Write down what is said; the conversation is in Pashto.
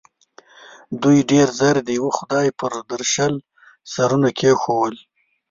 دوی ډېر ژر د یوه خدای پر درشل سرونه کېښول.